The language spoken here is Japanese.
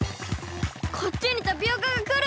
こっちにタピオカがくる！